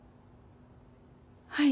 はい。